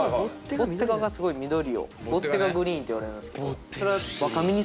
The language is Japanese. ボッテガがすごい緑をボッテガグリーンっていわれるんですけど。